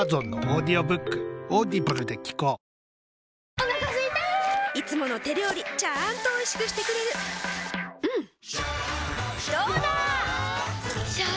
お腹すいたいつもの手料理ちゃんとおいしくしてくれるジューうんどうだわ！